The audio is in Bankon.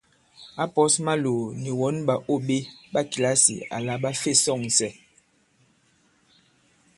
Ǎ pɔ̌s Maloò nì wɔn ɓàô ɓe ɓa kìlasì àla ɓa fe sɔ̂ŋsɛ.